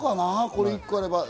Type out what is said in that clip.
これ１個あれば。